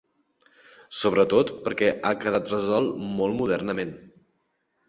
Sobretot perquè ha quedat resolt molt modernament.